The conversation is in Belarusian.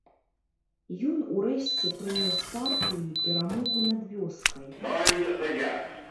Ён урэшце прынёс партыі перамогу над вёскай.